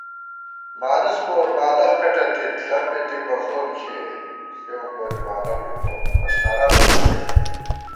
مالُوڅ پور بالَخ کھٹہ تھِت ݪَپے دِک بہ خون ݪِیَئی * سېوں پوری بالَخ ݫُپَوُم استارا لوشِکے پت